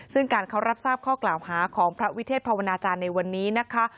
ซึ่งการเขารับทราบข้อกล่าวหาของพระวิเทศภาวนาจารย์ในวันนี้นะคะ